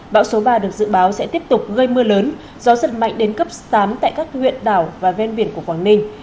bão số ba được dự báo sẽ tiếp tục gây mưa lớn gió giật mạnh đến cấp tám tại các huyện đảo và ven biển của quảng ninh